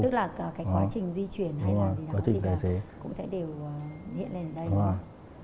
tức là cái quá trình di chuyển hay là gì đó thì cũng sẽ đều hiện lên ở đây luôn